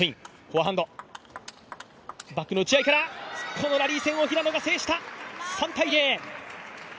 このラリー戦を平野が制した！